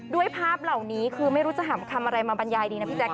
ด้วยภาพเหล่านี้คือไม่รู้จะห่ำคำอะไรมาบรรยายดีนะพี่แจ๊